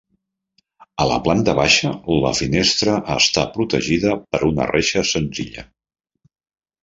A la planta baixa, la finestra està protegida per una reixa senzilla.